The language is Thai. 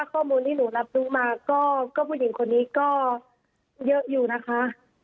เพราะว่าข้อมูลที่หนูรับรู้มา